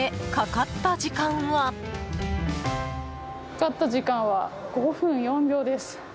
かかった時間は５分４秒です。